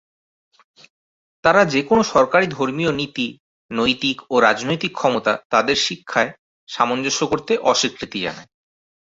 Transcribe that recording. তারা যেকোনো সরকারি ধর্মীয় নীতি, নৈতিক ও রাজনৈতিক ক্ষমতা তাদের শিক্ষায় সামঞ্জস্য করতে অস্বীকৃতি জানায়।